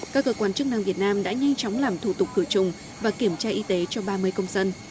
các cơ quan chức năng việt nam đã nhanh chóng làm thủ tục cửa trùng và kiểm tra y tế cho ba mươi công dân